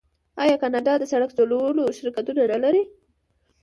آیا کاناډا د سړک جوړولو شرکتونه نلري؟